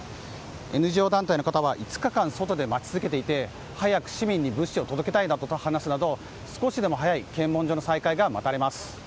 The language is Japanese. ＮＧＯ団体の方は５日間外で待ち続けて早く市民に物資を届けたいなどと話すなど少しでも早い検問所の再開が待たれます。